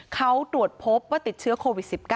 เขาตรวจพบว่าติดเชื้อโควิด๑๙